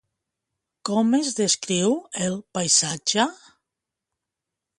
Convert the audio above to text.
Com es descriu el paisatge?